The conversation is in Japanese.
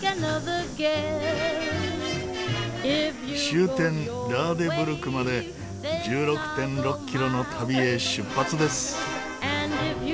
終点ラーデブルクまで１６．６キロの旅へ出発です。